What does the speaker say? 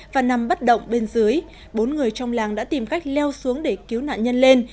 và nằm bất động bên dưới bốn người trong làng đã tìm cách leo xuống để cứu nạn nhân lên